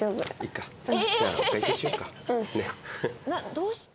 どうした？